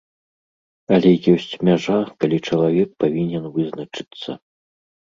Але ёсць мяжа, калі чалавек павінен вызначыцца.